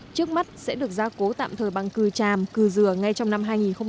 trước mắt sẽ được ra cố tạm thời bằng cư tràm cư dừa ngay trong năm hai nghìn một mươi bảy